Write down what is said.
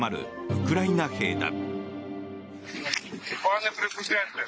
ウクライナ兵だ。